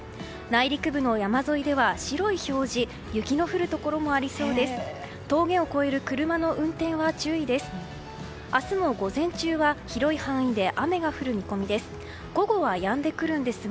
内陸部の山沿いでは白い表示雪の降るところもありそうです。